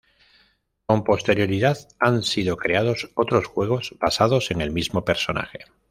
Con posterioridad han sido creados otros juegos basados en el mismo personaje.